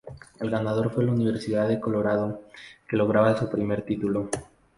El ganador fue la Universidad de Colorado, que lograba su primer título.